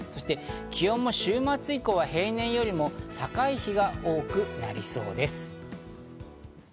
気温も週末以降は平年よりも高い日が多くなりそうです。